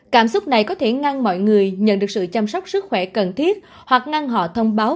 cảm xúc này có thể ngăn mọi người nhận được sự chăm sóc sức khỏe cần thiết hoặc ngăn họ thông báo